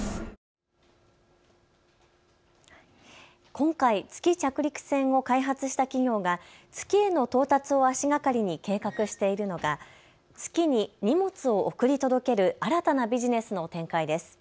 今回、月着陸船を開発した企業が月への到達を足がかりに計画しているのが月に荷物を送り届ける新たなビジネスの展開です。